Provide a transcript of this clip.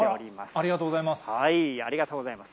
ありがとうございます。